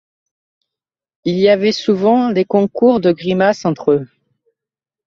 Il y avait souvent des concours de grimaces entre eux.